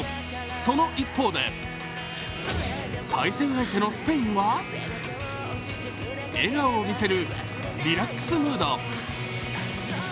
その一方で対戦相手のスペインは笑顔を見せるリラックスムード。